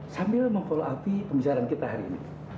sambil meng follow upi pembicaraan kita hari ini